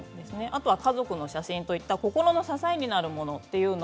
あとは家族の写真とか心の支えになるもの。